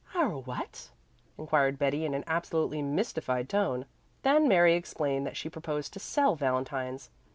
"Our what?" inquired Betty in an absolutely mystified tone. Then Mary explained that she proposed to sell valentines.